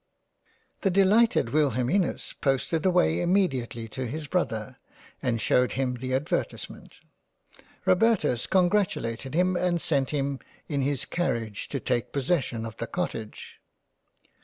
The delighted Wilhelminus posted away immediately to his brother, and shewed him the advertisement. Robertus congratulated him and sent him in his Carriage to take pos session of the Cottage.